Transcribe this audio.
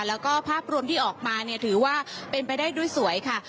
แล้วก็ภาพรวมที่ออกมาเนี่ยถือว่าเป็นไปได้ด้วยสวยค่ะ